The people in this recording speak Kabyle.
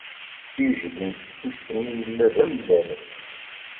Ijdi n teftist-nni yella d amellal.